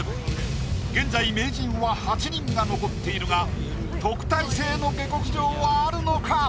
現在名人は８人が残っているが特待生の下克上はあるのか？